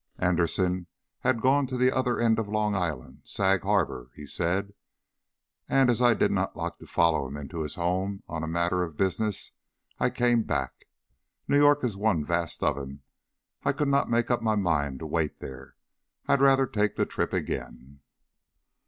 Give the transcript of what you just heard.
"Anderson had gone to the other end of Long Island Sag Harbor," he said; "and as I did not like to follow him into his home on a matter of business, I came back. New York is one vast oven; I could not make up my mind to wait there. I'd rather take the trip again."